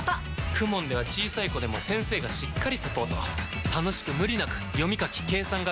ＫＵＭＯＮ では小さい子でも先生がしっかりサポート楽しく無理なく読み書き計算が身につきます！